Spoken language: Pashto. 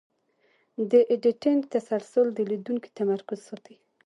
د ایډیټینګ تسلسل د لیدونکي تمرکز ساتي.